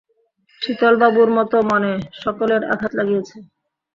শীতলবাবুর মতো মনে সকলের আঘাত লাগিয়াছে।